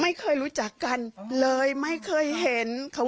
ไม่เคยรู้จักกันเลยไม่เคยเห็นเขา